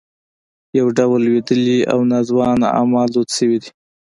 یو ډول لوېدلي او ناځوانه اعمال دود شوي دي.